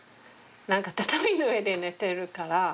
何か畳の上で寝てるから。